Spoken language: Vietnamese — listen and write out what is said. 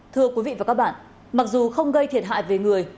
thưa quý vị và các bạn mặc dù không gây thiệt hại về người